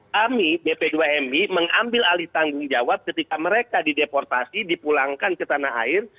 kami bp dua mi mengambil alih tanggung jawab ketika mereka dideportasi dipulangkan ke tanah air